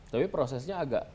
tapi prosesnya agak